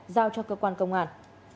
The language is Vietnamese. giao cho cơ quan công an